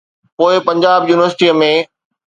پوءِ پنجاب يونيورسٽي ۾.